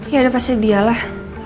ya udah pasti dialah